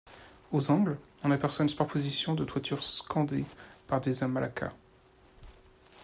Aux angles, on aperçoit une superposition de toitures scandées par des amalaka.